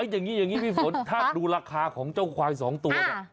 อย่างนี้อย่างนี้พี่ฝนถ้าดูราคาของเจ้าควาย๒ตัวเนี่ย